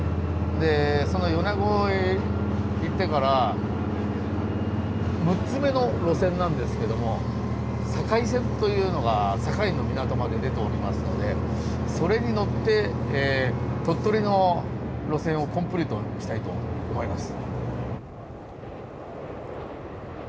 でその米子へ行ってから６つ目の路線なんですけども境線というのが境の港まで出ておりますのでそれに乗って鳥取の路線をコンプリートしたいと思います。